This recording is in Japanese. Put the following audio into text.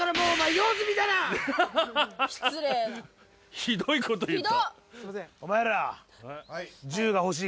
ひどいこと言った。